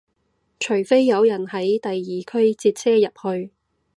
除非有人喺第二區截車入去